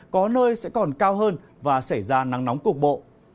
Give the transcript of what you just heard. có nơi sẽ còn cao hơn và xảy ra nắng nóng cục bộ